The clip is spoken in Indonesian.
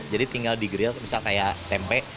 jadi tinggal di grill misal kayak tempe